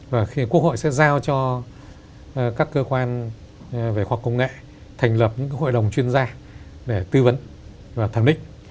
và khi quốc hội sẽ giao cho các cơ quan về khoa học công nghệ thành lập những hội đồng chuyên gia để tư vấn và thẩm định